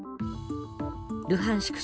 ルハンシク